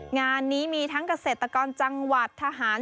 งานนี้มีทั้งเกษตรกรจังหวัดทหาร